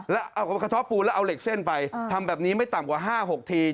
แล้วเอาเหล็กเส้นไปทำแบบนี้ไม่ต่ำกว่า๕๖ที